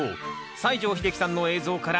西城秀樹さんの映像からニンジン